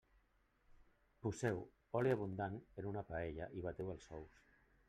Poseu oli abundant en una paella i bateu els ous.